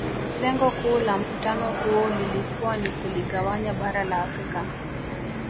Lengo kuu la Mkutano huo lilikuwa ni kuligawanya bara la Afrika